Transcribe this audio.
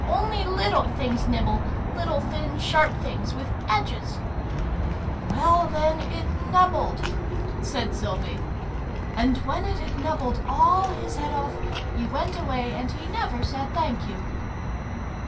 " Only little things nibble little thin sharp things, with edges " Well then, it ' nubbled,' " said Sylvie. " And when it had nubbled alt his head off, he went away, and he never said ' thank you